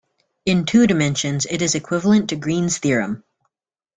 In two dimensions, it is equivalent to Green's theorem.